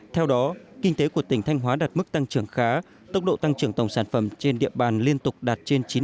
theo đó kinh tế của tỉnh thanh hóa đạt mức tăng trưởng khá tốc độ tăng trưởng tổng sản phẩm trên địa bàn liên tục đạt trên chín mươi